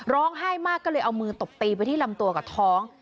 ร้องไห้มากก็เลยเอามือตบตีไปที่ลำตัวกับท้อง